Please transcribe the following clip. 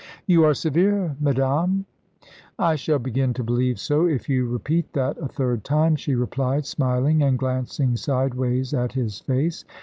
"You are severe, madame." "I shall begin to believe so, if you repeat that a third time," she replied, smiling, and glancing sideways at his face.